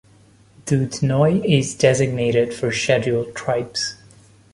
Dudhnoi is designated for scheduled tribes.